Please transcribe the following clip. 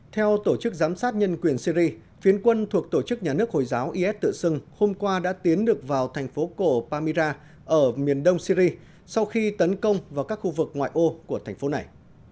theo tổ chức giám sát nhân quyền syri phiến quân thuộc tổ chức nhà nước hồi giáo is tự xưng hôm qua đã tiến được vào thành phố cổ pamira ở miền đông syri sau khi tấn công vào các khu vực ngoại ô của thành phố này